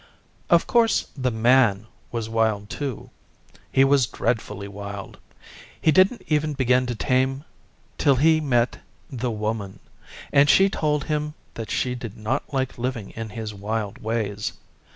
Of course the Man was wild too. He was dreadfully wild. He didn't even begin to be tame till he met the Woman, and she told him that she did not like living in his wild ways.